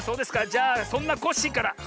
じゃあそんなコッシーから。